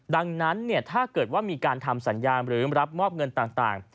ดังนั้นถ้าเกิดว่ามีการทำสัญญาณหรือรับมอบเงินต่าง